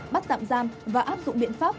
bắt tạm giam và áp dụng biện pháp